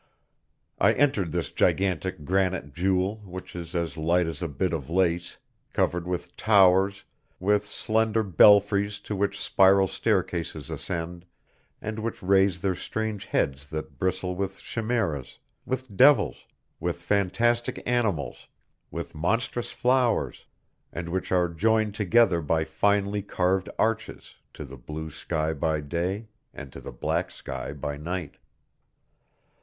I entered this gigantic granite jewel which is as light as a bit of lace, covered with towers, with slender belfries to which spiral staircases ascend, and which raise their strange heads that bristle with chimeras, with devils, with fantastic animals, with monstrous flowers, and which are joined together by finely carved arches, to the blue sky by day, and to the black sky by night.